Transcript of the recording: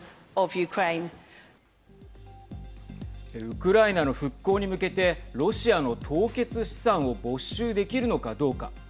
ウクライナの復興に向けてロシアの凍結資産を没収できるのかどうか。